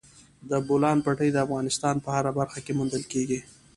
د بولان پټي د افغانستان په هره برخه کې موندل کېږي.